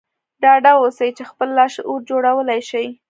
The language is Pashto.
ډاډه اوسئ چې خپل لاشعور جوړولای شئ